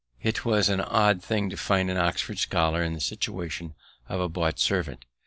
It was an odd thing to find an Oxford scholar in the situation of a bought servant.